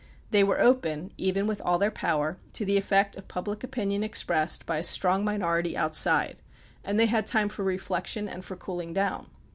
They were open, even with all their power, to the effect of public opinion expressed by a strong minority outside, and they had time for reflection and for cooling down.